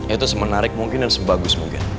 itu semenarik mungkin dan sebagus mungkin